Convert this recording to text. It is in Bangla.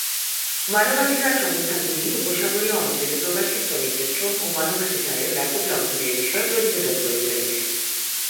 মানবাধিকার সংস্থাগুলি উপসাগরীয় অঞ্চলে প্রবাসী শ্রমিকদের শ্রম ও মানবাধিকারের ব্যাপক লঙ্ঘনের বিষয়ে প্রতিবেদন করে চলেছে।